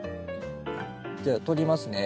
じゃあ取りますね。